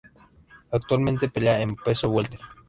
Actualmente pelea en peso welter.